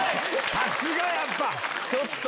さすが！やっぱ。